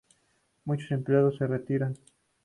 Muchos empleados se retiran.